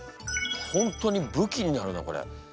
本当に武器になるなこれ。